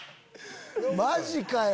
マジかよ。